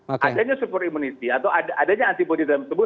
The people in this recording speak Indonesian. adanya super immunity atau adanya antibody dalam tubuh